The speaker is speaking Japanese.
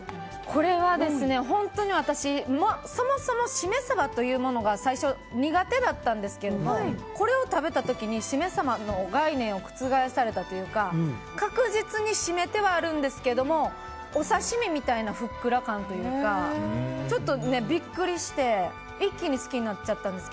これは、そもそもしめサバというものが最初苦手だったんですけどこれを食べた時にしめサバの概念を覆されたというか確実に締めてはあるんですけどお刺し身みたいなふっくら感というかちょっとびっくりして一気に好きになったんです。